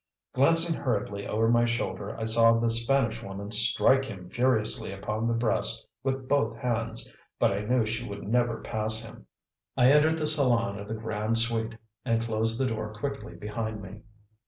Glancing hurriedly over my shoulder, I saw the Spanish woman strike him furiously upon the breast with both hands, but I knew she would never pass him. I entered the salon of the "Grande Suite," and closed the door quickly behind me.